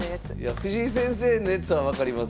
藤井先生のやつは分かります。